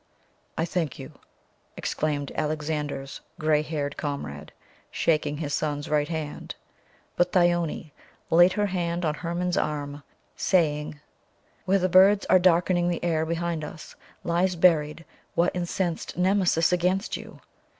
"I thank you," exclaimed Alexander's gray haired comrade, shaking his son's right hand, but Thyone laid her hand on Hermon's arm, saving: "Where the birds are darkening the air behind us lies buried what incensed Nemesis against you.